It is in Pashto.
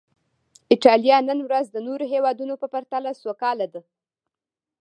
ایټالیا نن ورځ د نورو هېوادونو په پرتله سوکاله ده.